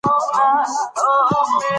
رسنۍ کله ناکله دا ویره نوره هم پیاوړې کوي.